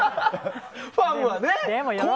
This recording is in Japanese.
ファンはね。